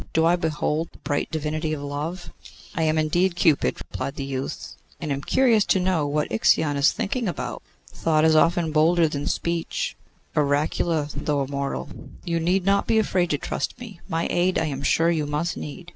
'Do I behold the bright divinity of Love?' 'I am indeed Cupid,' replied the youth; 'and am curious to know what Ixion is thinking about.' 'Thought is often bolder than speech.' 'Oracular, though a mortal! You need not be afraid to trust me. My aid I am sure you must need.